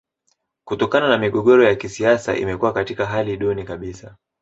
Kutokana na migogoro ya kisiasa imekuwa katika hali duni kabisa